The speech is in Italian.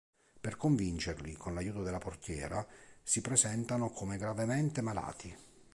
Per convincerli, con l'aiuto della portiera, si presentano come gravemente malati.